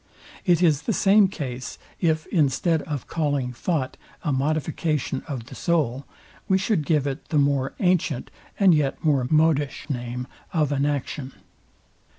It is the same case, if instead o calling thought a modification of the soul, we should give it the more antient, and yet more modish name of an action.